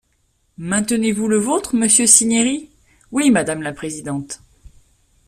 Maintenez-vous le vôtre, monsieur Cinieri ? Oui, madame la présidente.